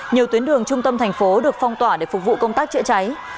nhiều tuyến đường trung tâm thành phố được phong tỏa để phục vụ công tác chữa cháy